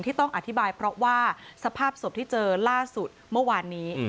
ต้องอธิบายเพราะว่าสภาพศพที่เจอล่าสุดเมื่อวานนี้